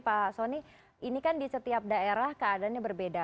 pak soni ini kan di setiap daerah keadaannya berbeda